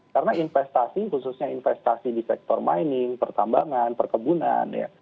karena investasi khususnya investasi di sektor mining pertambangan perkebunan ya